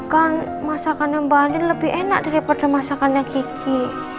kan masakannya mbak andin lebih enak daripada masakannya kiki